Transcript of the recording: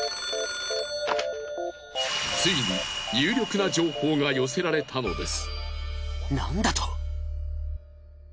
ついに有力な情報が寄せられたのです。